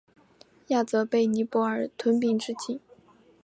亚泽被尼泊尔吞并至今。